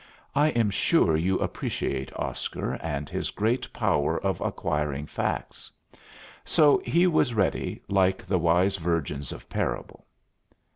I am sure you appreciate Oscar and his great power of acquiring facts. So he was ready, like the wise virgins of parable.